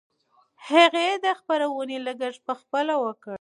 هغې د خپرونې لګښت پخپله ورکړ.